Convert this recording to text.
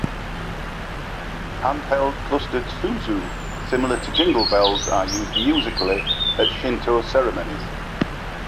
Handheld clustered "Suzu", similar to jingle bells, are used musically at Shinto ceremonies.